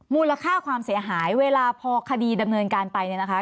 มูลค่าความเสียหายเวลาพอคดีดำเนินการไปเนี่ยนะคะ